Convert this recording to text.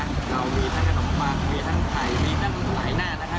เรามีทั้งขนมปังมีทั้งไข่มีทั้งหลายหน้านะคะ